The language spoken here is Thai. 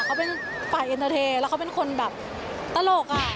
เขาเป็นฝ่ายเอ็นเตอร์เทย์แล้วเขาเป็นคนแบบตลกอ่ะ